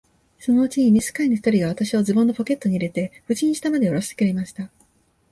そのうちに召使の一人が、私をズボンのポケットに入れて、無事に下までおろしてくれました。